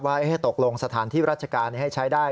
ก็คิดว่าให้ตกลงสถานที่รัฐกาลให้ใช้ได้